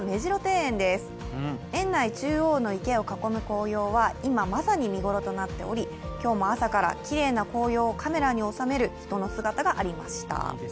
園内中央の池を囲む紅葉は今まさに見頃となっており、今日も朝からきれいな紅葉をカメラに収める人の姿がありました。